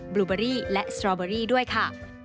ลูเบอรี่และสตรอเบอรี่ด้วยค่ะ